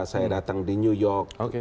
saya datang di new york